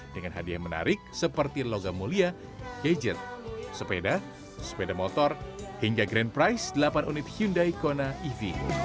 dengan hadiah menarik seperti logam mulia gadget sepeda sepeda motor hingga grand prize delapan unit hyundai kona ev